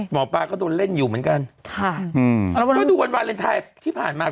หมอปลาก็โดนเล่นอยู่เหมือนกันค่ะอืมก็ดูวันวาเลนไทยที่ผ่านมา